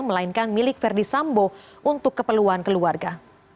melainkan milik verdi sambo untuk keperluan keluarga